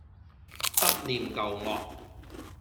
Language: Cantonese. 不念舊惡